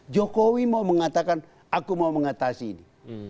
jokowi mau mengatakan aku mau mengatasi ini